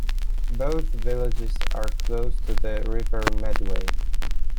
Both villages are close to the River Medway.